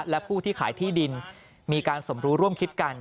และผู้ที่ขายที่ดินมีการสมรู้ร่วมคิดกัน